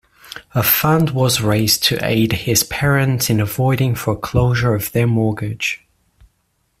A fund was raised to aid his parents in avoiding foreclosure of their mortgage.